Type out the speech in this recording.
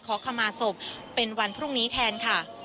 ขอขมาศพเป็นวันพรุ่งนี้แทนค่ะ